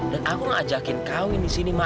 dan aku mengajakin kawin di sini ma